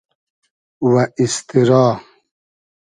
و ایستیرا